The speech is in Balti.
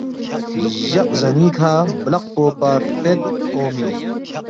جق زنی کھا بلقپو پا فید، اونگمی اِن